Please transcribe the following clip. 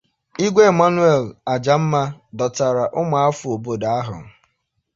Igwe Emmanuel Ajamma dọtara ụmụafọ obodo ahụ